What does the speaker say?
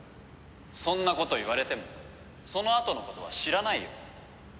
そんなこと言われてもそのあとのことは知らないよ。